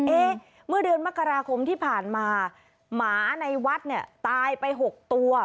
เมื่อเดือนมกราคมที่ผ่านมาหมาในวัดเนี่ยตายไป๖ตัว